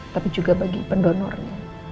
tapi juga bagi pendonornya